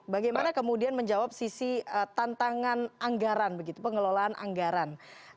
bagaimana kemudian menjawab sisi tantangan anggaran begitu pengelolaan anggaran